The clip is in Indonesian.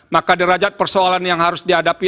maka derajat persoalan yang harus dihadapi